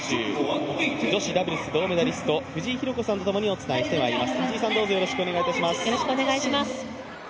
女子ダブルス銅メダリスト藤井寛子さんとお伝えします。